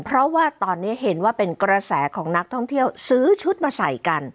เพราะว่าตอนนี้เห็นว่าเป็นกระแสของนักท่องเที่ยวซื้อชุดมาใส่กัน